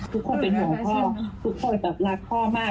ทุกคนเป็นห่วงพ่อทุกคนแบบรักพ่อมาก